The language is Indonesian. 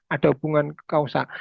ada hubungan kausal